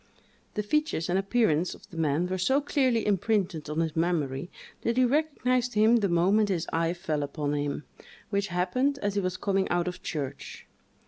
The features and appearance of the man were so clearly imprinted on his memory, that he recognised him the moment his eye fell upon him, which happened as he was coming out of church.